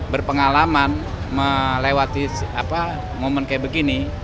berpengalaman melewati momen kayak begini